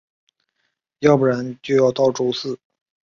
要不然就要到周四